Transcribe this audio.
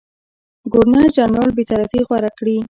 ګورنرجنرال بېطرفي غوره کړي.